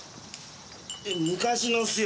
昔のっすよ